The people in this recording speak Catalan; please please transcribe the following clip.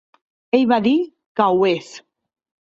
Ell va dir que ho és.